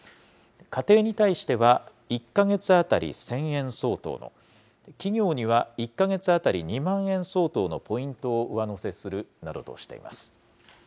家庭に対しては、１か月当たり１０００円相当の、企業には、１か月当たり２万円相当のポイントを上乗せするなどとしています。